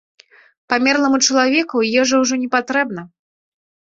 Памерламу чалавеку ежа ўжо не патрэбна.